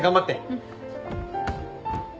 うん。